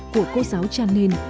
của cô giáo chanen